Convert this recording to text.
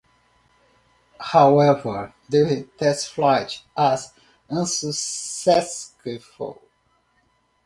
However the test flight was unsuccessful.